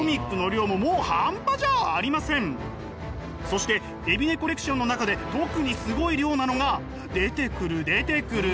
そして海老根コレクションの中で特にすごい量なのが出てくる出てくる。